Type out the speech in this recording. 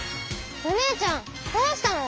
お姉ちゃんどうしたの⁉